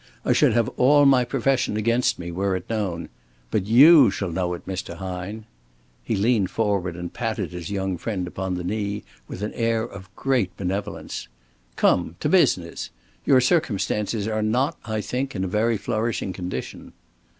I should have all my profession against me were it known. But you shall know it, Mr. Hine." He leaned forward and patted his young friend upon the knee with an air of great benevolence. "Come, to business! Your circumstances are not, I think, in a very flourishing condition."